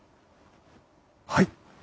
はい！